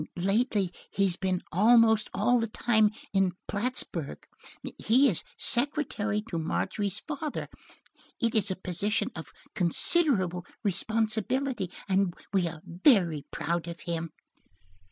"Lately, he has been almost all the time in Plattsburg. He is secretary to Margery's father. It is a position of considerable responsibility, and we are very proud of him."